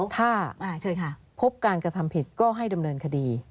ถ้าพบการกระทำผิดก็ให้ดำเนินคดี